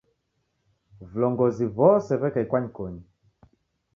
Vilongozi w'ose w'eka ikwanyikonyi